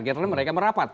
karena mereka merapat